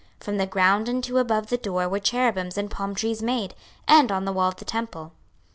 26:041:020 From the ground unto above the door were cherubims and palm trees made, and on the wall of the temple.